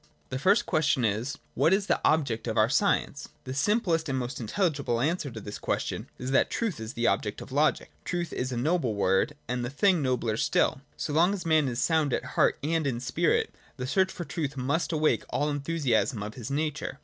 (i) The first question is : What is the object of our science ? The simplest and most intelligible answer to this question is that Truth is the object of Logic. Truth is a noble word, and the thing is nobler still. So long as man is sound at heart and in spirit, the search for truth must awake all the enthusiasm of his nature.